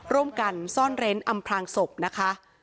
ร่วมกันซ่อนเร้นอำพลางศพนะคะ